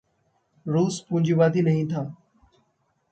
रूस पूँजीवादी नहीं था।